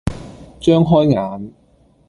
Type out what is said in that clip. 張開眼，